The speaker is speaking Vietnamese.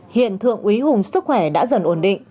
hiện thượng úy hùng sức khỏe đã dần ổn định